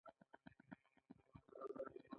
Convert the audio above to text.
یو سل او څلور نوي یمه پوښتنه د بانک په اړه ده.